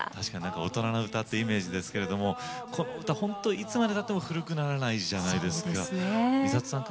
大人の歌というイメージですけどこの歌、いつまでたっても古くならないじゃないですか。